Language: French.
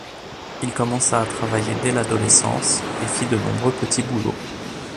Il commença à travailler dès l'adolescence et fit de nombreux petits boulots.